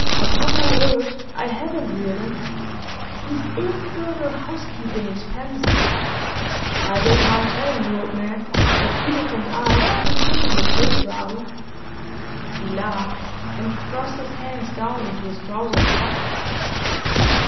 Upon my word, I haven't, Reardon! These infernal housekeeping expenses! I don't mind telling you, old man, that Edith and I have been pushing the pace rather.' He laughed, and thrust his hands down into his trousers pockets.